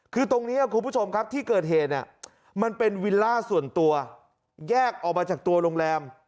คือตรงนี้คุณผู้ชมครับที่เกิดเหตุเนี่ยมันเป็นวิลล่าส่วนตัวแยกออกมาจากตัวโรงแรม